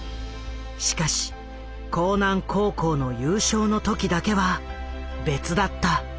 しかし興南高校の優勝の時だけは別だった。